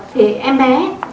thì em bé